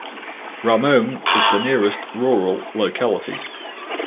Ramon is the nearest rural locality.